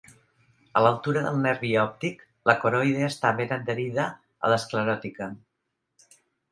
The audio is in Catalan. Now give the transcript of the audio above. A l'altura del nervi òptic, la coroide està ben adherida a l'escleròtica.